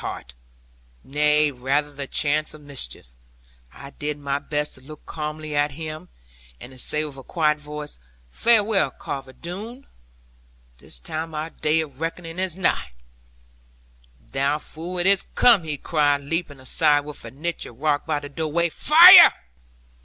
But seeing no use in bandying words, nay, rather the chance of mischief, I did my best to look calmly at him, and to say with a quiet voice, 'Farewell, Carver Doone, this time, our day of reckoning is nigh.' 'Thou fool, it is come,' he cried, leaping aside into the niche of rock by the doorway; 'Fire!'